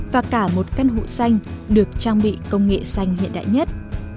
và cả một căn hộ xanh được trang bị công nghệ xanh hiện đại nhất